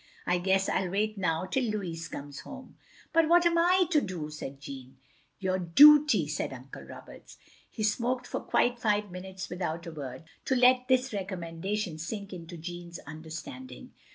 I guess I '11 wait now till Louis comes home. "" But what am I to do? " said Jeanne. "Your dooty," said Uncle Roberts. He smoked for quite five minutes without a word, to let this recommendation sink into Jeanne's tinderstanding.